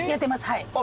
はい。